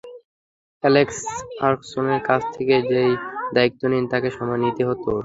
Alex ফার্গুসনের কাছ থেকে যে-ই দায়িত্ব নিন, তাঁকে সময় দিতে হতো।